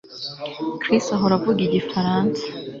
Chris ahora avuga igifaransa